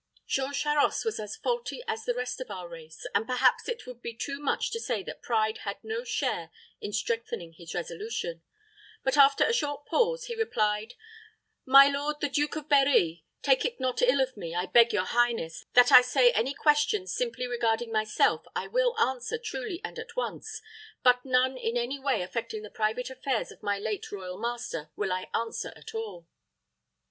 Jean Charost was as faulty as the rest of our race, and perhaps it would be too much to say that pride had no share in strengthening his resolution; but, after a short pause, he replied, "My lord, the Duke of Berri, take it not ill of me, I beg your highness, that I say any questions simply regarding myself I will answer truly and at once; but none in any way affecting the private affairs of my late royal master will I answer at all."